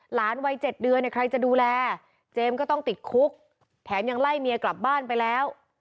วัย๗เดือนเนี่ยใครจะดูแลเจมส์ก็ต้องติดคุกแถมยังไล่เมียกลับบ้านไปแล้ว